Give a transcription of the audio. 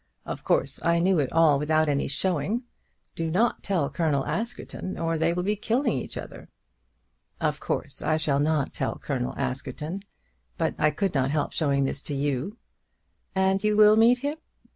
Of course I knew it all without any showing. Do not tell Colonel Askerton, or they will be killing each other." "Of course I shall not tell Colonel Askerton; but I could not help showing this to you." "And you will meet him?"